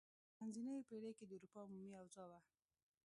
په منځنیو پیړیو کې د اروپا عمومي اوضاع وه.